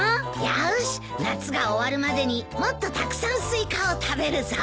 よし夏が終わるまでにもっとたくさんスイカを食べるぞ。